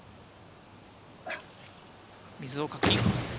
水を確認。